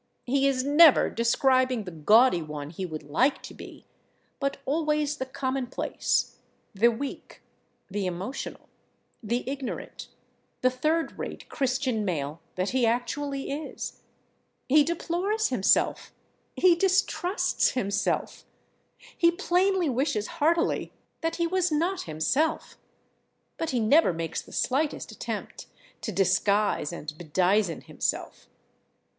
He is never describing the gaudy one he would like to be, but always the commonplace, the weak, the emotional, the ignorant, the third rate Christian male that he actually is. He deplores himself, he distrusts himself, he plainly wishes heartily that he was not himself, but he never makes the slightest attempt to disguise and bedizen himself.